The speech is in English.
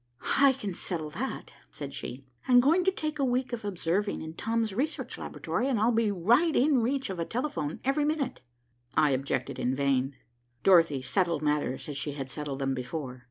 "I can settle that," said she. "I am going to take a week of observing in Tom's research laboratory, and I'll be right in reach of a telephone every minute." I objected in vain. Dorothy settled matters as she had settled them before.